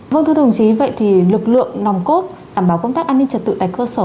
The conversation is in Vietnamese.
vâng thưa đồng chí vậy thì lực lượng nòng cốt đảm bảo công tác an ninh trật tự tại cơ sở